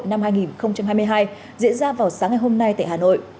chương trình giám sát của quốc hội năm hai nghìn hai mươi hai diễn ra vào sáng ngày hôm nay tại hà nội